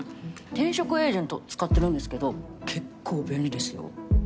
転職エージェント使ってるんですけどけっこう便利ですよ。